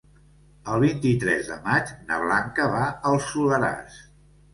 El vint-i-tres de maig na Blanca va al Soleràs.